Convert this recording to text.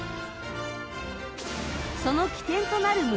その起点となる村